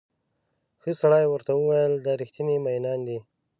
ښه سړي ورته وویل دا ریښتیني مئینان دي.